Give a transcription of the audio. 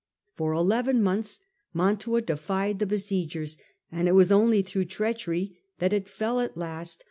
For eleven 10,1091^ months Mantua defied the besiegers, and it was only through treachery that it ffell at last.